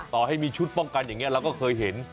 ต่อให้มีชุดป้องกันอย่างนี้เราก็เคยเห็น